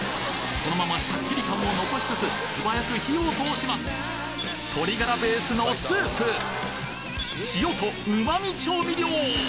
このままシャッキリ感を残しつつ素早く火を通します鶏ガラベースのスープ塩とうま味調味料